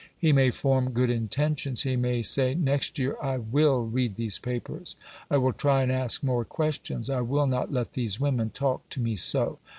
He may form good intentions; he may say, "Next year I WILL read these papers; I will try and ask more questions; I will not let these women talk to me so".